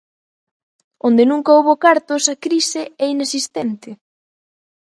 Onde nunca houbo cartos a crise é inexistente.